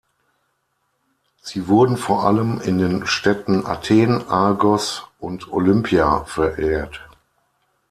Sie wurden vor allem in den Städten Athen, Argos und Olympia verehrt.